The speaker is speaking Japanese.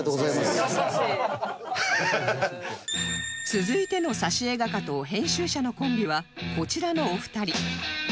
続いての挿絵画家と編集者のコンビはこちらのお二人